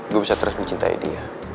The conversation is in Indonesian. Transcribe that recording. gue bisa terus mencintai dia